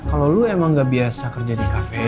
kalau lo emang gak biasa kerja di cafe